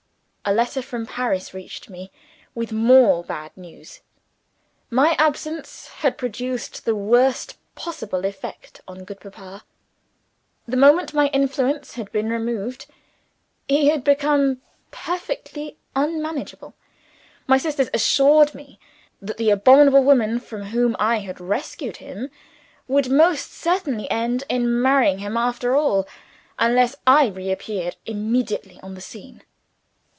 A letter from Paris reached me, with more bad news. My absence had produced the worst possible effect on good Papa. The moment my influence had been removed, he had become perfectly unmanageable. My sisters assured me that the abominable woman from whom I had rescued him, would most certainly end in marrying him after all, unless I reappeared immediately on the scene.